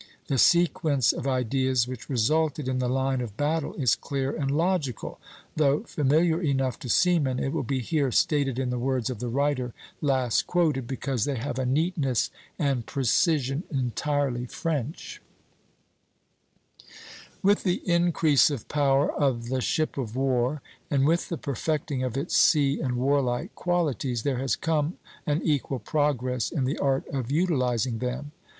The sequence of ideas which resulted in the line of battle is clear and logical. Though familiar enough to seamen, it will be here stated in the words of the writer last quoted, because they have a neatness and precision entirely French: "With the increase of power of the ship of war, and with the perfecting of its sea and warlike qualities, there has come an equal progress in the art of utilizing them....